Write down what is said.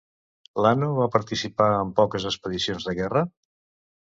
Lano va participar en poques expedicions de guerra?